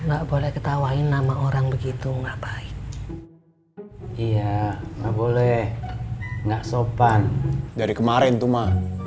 enggak boleh ketawain nama orang begitu enggak baik iya boleh enggak sopan dari kemarin cuma